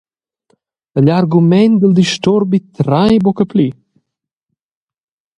Igl argument dil disturbi trai buca pli.